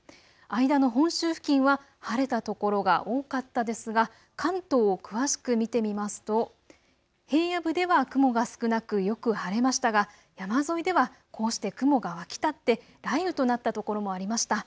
間の本州付近は晴れたところが多かったですが関東を詳しく見てみますと平野部では雲が少なくよく晴れましたが山沿いではこうして雲が湧き立って雷雨となった所もありました。